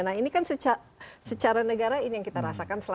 nah ini kan secara negara ini yang kita rasakan